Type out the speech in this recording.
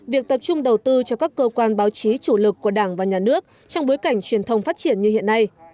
việc tập trung đầu tư cho các cơ quan báo chí chủ lực của đảng và nhà nước trong bối cảnh truyền thông phát triển như hiện nay